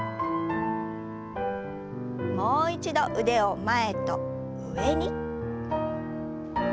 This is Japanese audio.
もう一度腕を前と上に。